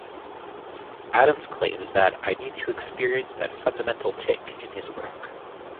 Adams claims that "I need to experience that fundamental tick" in his work.